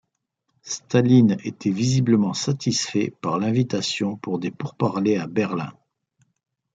Staline était visiblement satisfait par l'invitation pour des pourparlers à Berlin.